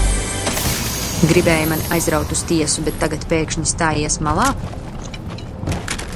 Gribēji mani aizraut uz tiesu, bet tagad pēkšņi stājies malā?